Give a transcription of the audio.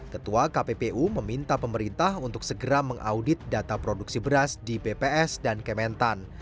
ketua kppu meminta pemerintah untuk segera mengaudit data produksi beras di bps dan kementan